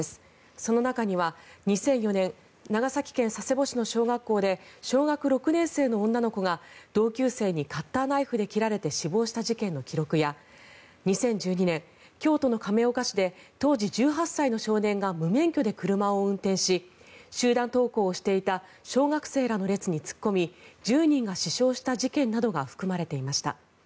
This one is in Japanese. その中には２００４年長崎県佐世保市の小学校で小学６年生の女の子が同級生にカッターナイフで切られて死亡した事件の記録や２０１２年、京都の亀岡市で当時１８歳の少年が無免許で車を運転し集団登校をしていた小学生らの列に突っ込み１０人が死傷した事件などが含まれていました。